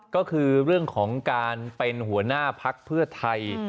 ก็คือเรื่องของการเป็นหัวหน้าพักเพื่อไทย